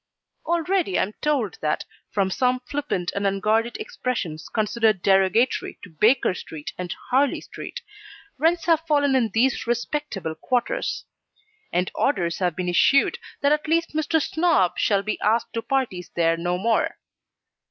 Already I'm told that, from some flippant and unguarded expressions considered derogatory to Baker Street and Harley Street, rents have fallen in these respectable quarters; and orders have been issued that at least Mr. Snob shall be asked to parties there no more.